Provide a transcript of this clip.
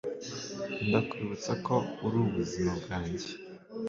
ndakwibutsa ko uri ubuzima bwanjye